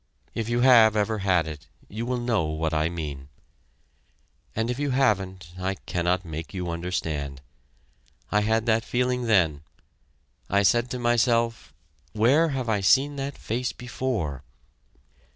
If you have ever had it, you will know what I mean, and if you haven't I cannot make you understand. I had that feeling then.... I said to myself: "Where have I seen that face before?"